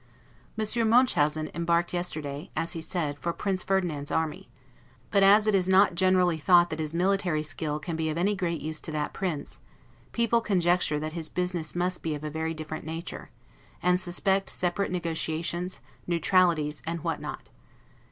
Monsieur Munchausen embarked yesterday, as he said, for Prince Ferdinand's army; but as it is not generally thought that his military skill can be of any great use to that prince, people conjecture that his business must be of a very different nature, and suspect separate negotiations, neutralities, and what not.